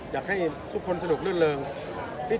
อยากให้ทุกคนสนุกลื่นเริง